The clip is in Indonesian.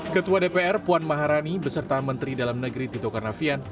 ketua dpr puan maharani beserta menteri dalam negeri tito karnavian